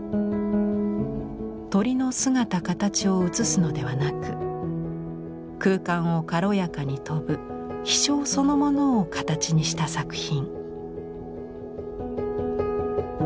鳥の姿形を写すのではなく空間を軽やかに飛ぶ「飛翔」そのものを形にした作品。